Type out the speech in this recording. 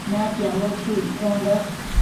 Natiambo chu iccondash